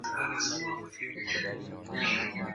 mbegu za maboga zina virutubisho muhimu sana kwenye mwili